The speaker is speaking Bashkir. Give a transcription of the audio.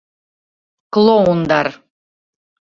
Клоундар!